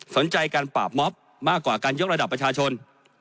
สนใจการปราบม็อบมากกว่าการยกระดับประชาชน